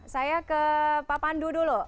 saya ke pak pandu dulu